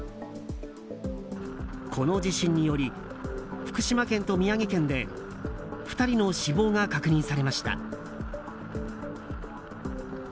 この地震により福島県と宮城県で２人の死亡が確認されました。